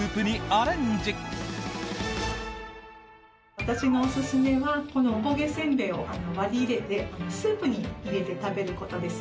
私のおすすめはこのおこげせんべいを割り入れてスープに入れて食べることです。